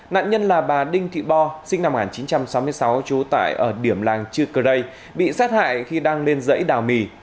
nạn nhân là bà đinh thị bo sinh năm một nghìn chín trăm sáu mươi sáu trú tại ở điểm làng chư cơ rây bị sát hại khi đang lên dãy đào mì